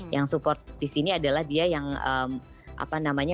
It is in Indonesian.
yang support di sini adalah dia yang apa namanya